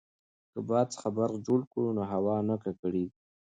که باد څخه برق جوړ کړو نو هوا نه ککړیږي.